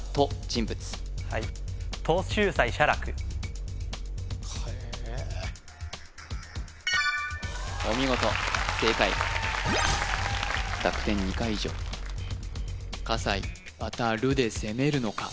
人物はいお見事正解濁点２回以上笠井また「る」で攻めるのか？